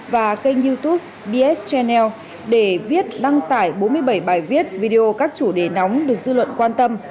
và kênh youtube dis genel để viết đăng tải bốn mươi bảy bài viết video các chủ đề nóng được dư luận quan tâm